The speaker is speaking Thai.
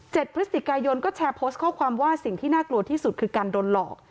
พฤศจิกายนก็แชร์โพสต์ข้อความว่าสิ่งที่น่ากลัวที่สุดคือการโดนหลอก